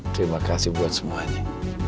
terima kasih buat semuanya